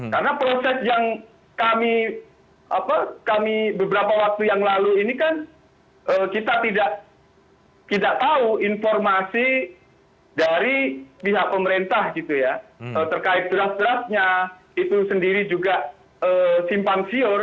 karena proses yang kami beberapa waktu yang lalu ini kan kita tidak tahu informasi dari pihak pemerintah gitu ya terkait draft draftnya itu sendiri juga simpan siur